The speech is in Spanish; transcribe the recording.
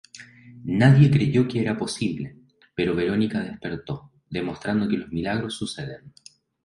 Nadie creyó que era posible, pero Verónica despertó, demostrando que los milagros suceden.